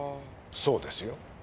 そうですよ。